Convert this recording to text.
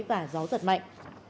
và gió giật mạnh